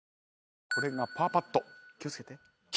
これがパーパット。